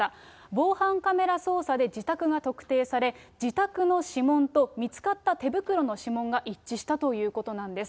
防犯カメラ捜査で自宅が特定され、自宅の指紋と見つかった手袋の指紋が一致したということなんです。